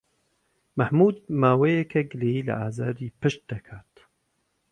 مەحموود ماوەیەکە گلەیی لە ئازاری پشت دەکات.